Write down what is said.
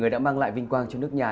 đã mang lại vinh quang trên nước nhà